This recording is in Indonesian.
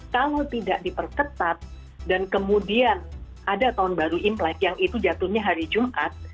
kalau tidak diperketat dan kemudian ada tahun baru imlek yang itu jatuhnya hari jumat